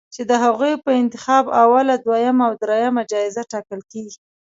چې د هغوی په انتخاب اوله، دویمه او دریمه جایزه ټاکل کېږي